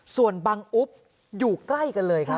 ส่วนบังอุ๊บอยู่ใกล้กันเลยครับ